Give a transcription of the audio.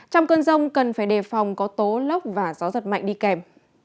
trong cơn rông cần phải đề phòng có tố lốc và gió giật mạnh đi kèm